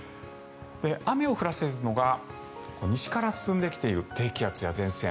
雨を降らせるのが西から進んできている低気圧や前線。